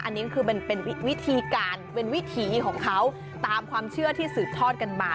อันนี้คือมันเป็นวิธีการเป็นวิถีของเขาตามความเชื่อที่สืบทอดกันมา